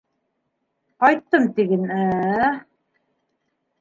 Ҡайттым, тиген, ә?